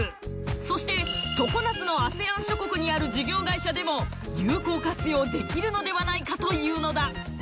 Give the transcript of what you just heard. そして常夏のＡＳＥＡＮ諸国にある事業会社でも有効活用できるのではないかというのだ。